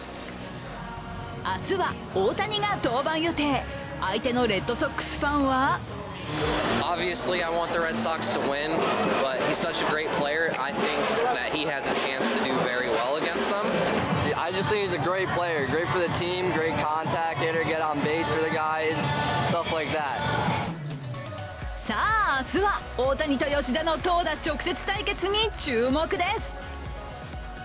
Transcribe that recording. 明日は大谷が登板予定、相手のレッドソックスファンはさあ、明日は大谷と吉田の投打直接対決に注目です。